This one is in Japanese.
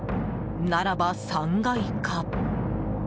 ならば３階か？